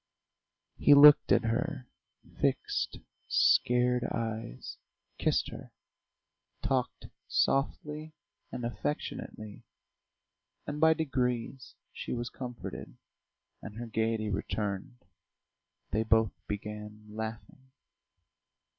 He looked at her fixed, scared eyes, kissed her, talked softly and affectionately, and by degrees she was comforted, and her gaiety returned; they both began laughing.